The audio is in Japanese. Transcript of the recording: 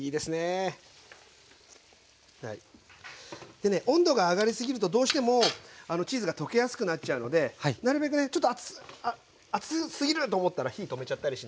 でね温度が上がり過ぎるとどうしてもチーズが溶けやすくなっちゃうのでなるべくね熱すぎると思ったら火止めちゃったり。